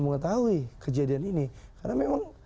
mengetahui kejadian ini karena memang